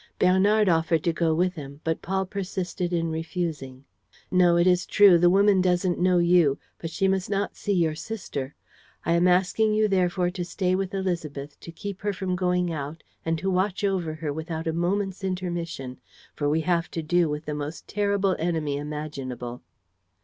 Bernard offered to go with him; but Paul persisted in refusing: "No. It is true, the woman doesn't know you; but she must not see your sister. I am asking you therefore to stay with Élisabeth, to keep her from going out and to watch over her without a moment's intermission, for we have to do with the most terrible enemy imaginable."